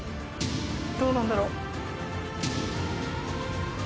どうなんだろう？